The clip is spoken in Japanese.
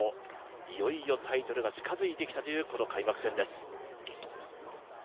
いよいよタイトルが近づいてきたというこの開幕戦です。